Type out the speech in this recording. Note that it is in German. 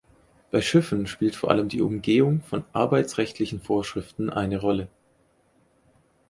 Bei Schiffen spielt vor allem die Umgehung von arbeitsrechtlichen Vorschriften eine Rolle.